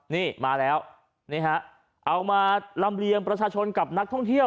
นี่มาแล้วนี่ฮะเอามาลำเลียงประชาชนกับนักท่องเที่ยว